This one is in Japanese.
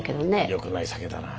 よくない酒だな。